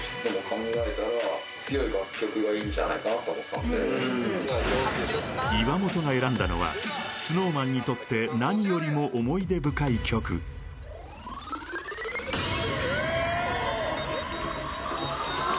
おめでとうまずは岩本が選んだのはＳｎｏｗＭａｎにとって何よりも思い出深い曲えっ！？